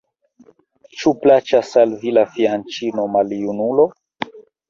Ĉu plaĉas al vi la fianĉino, maljunulo?